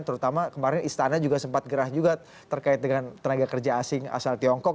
terutama kemarin istana juga sempat gerah juga terkait dengan tenaga kerja asing asal tiongkok